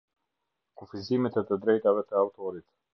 Kufizimet e të drejtave të autorit.